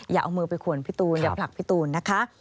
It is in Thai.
อย่าเอามือไปขวนพี่ตูนอย่าผลักพี่ตูนนะคะ